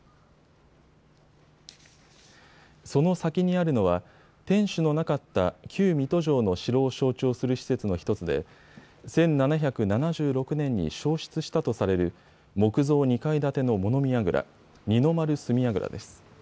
その先にあるのは天守のなかった旧水戸城の城を象徴する施設の１つで１７７６年に焼失したとされる木造２階建ての物見やぐら、二の丸角櫓です。